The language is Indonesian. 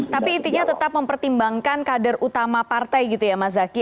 tapi intinya tetap mempertimbangkan kader utama partai gitu ya mas zaky